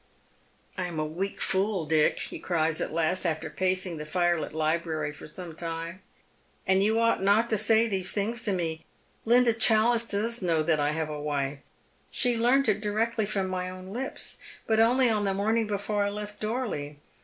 I am a weak fool, Dick," he cries at last, after pacing the fireht Ubrary for some time ;" and you ought not to say these things to me. Linda Challice does know that I have a wife. She learned it directly from my own lips ; but only on the morning before I left Dorley.